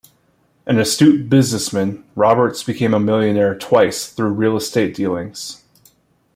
An astute businessman, Roberts became a millionaire twice through real estate dealings.